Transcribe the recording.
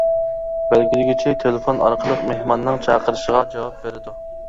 بەلگىلىگۈچى تېلېفون ئارقىلىق مېھماننىڭ چاقىرىشىغا جاۋاب بېرىدۇ.